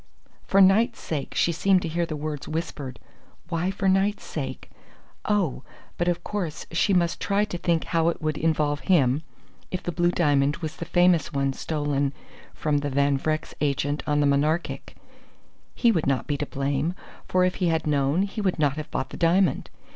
_ "For Knight's sake!" She seemed to hear the words whispered. Why for Knight's sake? Oh, but of course she must try to think how it would involve him if the blue diamond was the famous one stolen from the Van Vrecks' agent on the Monarchic! He would not be to blame, for if he had known, he would not have bought the diamond.